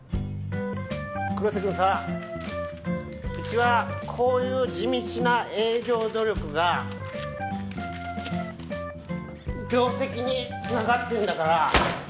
黒瀬くんさうちはこういう地道な営業努力が業績に繋がってんだから。